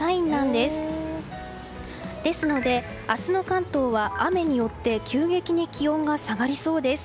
ですので、明日の関東は雨によって急激に気温が下がりそうです。